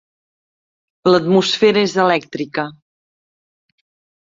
L"atmosfera és elèctrica.